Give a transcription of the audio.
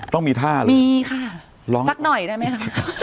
ต้องมีท่าหรือร้องอ่ะมีค่ะสักหน่อยได้ไหมคะ